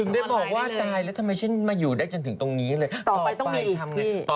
ได้บอกว่าตายแล้วทำไมฉันมาอยู่ได้จนถึงตรงนี้เลยค่ะต่อไปต้องมีอีกทำไง